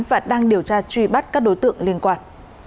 và đang điều tra truy bắt các đối tượng liên quan